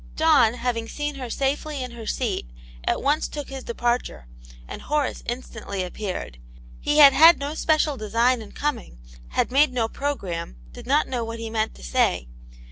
John, having seen her safely in Aunt Janets Hero. 85 her seat, at once took his departure, and Horace in stantly appeared. He had had no special design in coming, had made no programme, did not know what he meant to say.